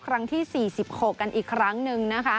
ครั้งที่๔๖กันอีกครั้งหนึ่งนะคะ